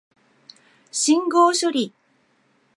信号処理